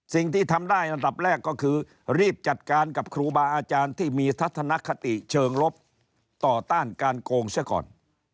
สิ่งที่ทำได้อันดับแรกก็คือรีบจัดการกับครูบาอาจารย์ที่มีทัศนคติเชิงลบต่อต้านการโกงซะก่อน